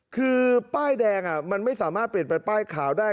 คือป้ายแดงมันไม่สามารถเปลี่ยนเป็นป้ายขาวได้